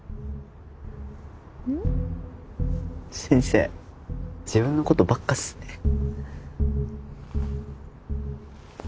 先生自分のことばっかっすね。